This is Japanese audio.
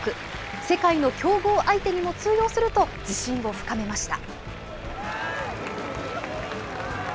世界の強豪相手にも通用すると、自信を深めました。